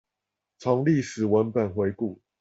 從歷史文本回顧